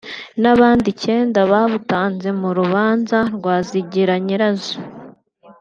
n’abandi icyenda babutanze mu rubanza rwa Zigiranyirazo